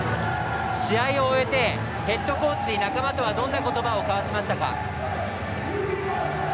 試合を終えて、ヘッドコーチ仲間とは、どんなことばを交わしましたか？